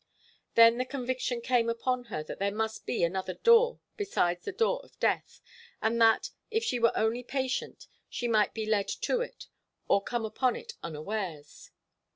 Then the conviction came upon her that there must be another door besides the door of death, and that, if she were only patient she might be led to it or come upon it unawares.